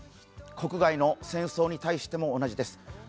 国外の戦争に対しても同じです。